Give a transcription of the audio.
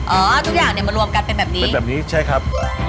อ่าทุกอย่างเนี่ยมารวมกันเป็นแบบนี้เป็นแบบนี้ใช่ครับ